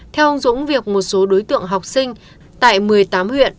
theo ông dũng việc một số đối tượng học sinh tại một mươi tám huyện